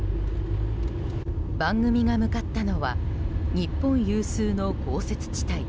番組が向かったのは日本有数の豪雪地帯